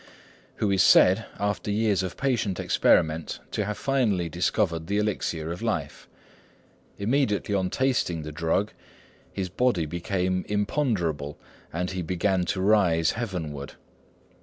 who is said, after years of patient experiment, to have finally discovered the elixir of life. Immediately on tasting the drug, his body became imponderable, and he began to rise heavenward.